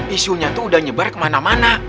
isunya tuh udah nyebar kemana mana